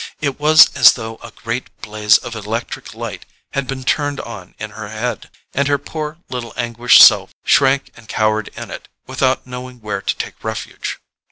It was as though a great blaze of electric light had been turned on in her head, and her poor little anguished self shrank and cowered in it, without knowing where to take refuge.